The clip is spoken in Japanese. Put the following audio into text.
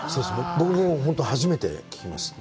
僕も初めて聞きました。